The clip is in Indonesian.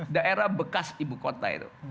daerah bekas ibukota itu